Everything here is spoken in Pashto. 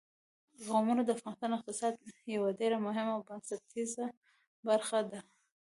قومونه د افغانستان د اقتصاد یوه ډېره مهمه او بنسټیزه برخه ده.